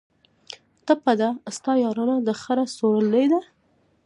ټپه ده: ستا یارانه د خره سورلي ده